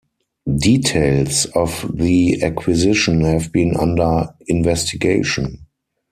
Details of the acquisition have been under investigation.